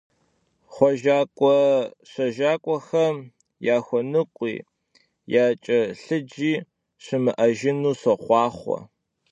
Xhuejjak'ue - şejjak'uexem yaxuenıkhui yaç'elhıci şımı'ejjınu soxhuaxhue!